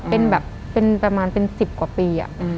เป็นแบบเป็นประมาณเป็น๑๐กว่าปี